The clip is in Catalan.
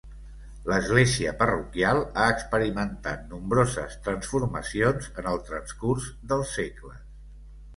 L'església parroquial ha experimentat nombroses transformacions en el transcurs dels segles.